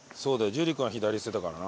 樹君が左って言ってたからな。